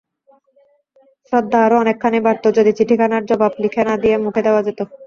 শ্রদ্ধা আরো অনেকখানি বাড়ত যদি চিঠিখানার জবাব লিখে না দিয়ে মুখে দেওয়া যেত।